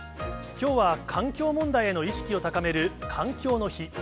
きょうは環境問題への意識を高める、環境の日。